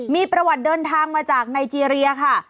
มีประวัติเดินทางมาจากไนเจรียค่ะ